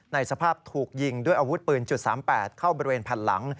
สภาพถูกยิงด้วยอาวุธปืน๓๘เข้าบริเวณแผ่นหลัง